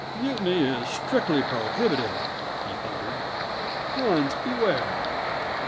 "Mutiny is strictly prohibited!" he thundered. "Villains, beware!